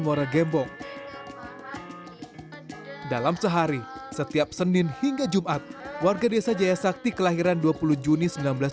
bergembong dalam sehari setiap senin hingga jumat warga desa jaya sakti kelahiran dua puluh juni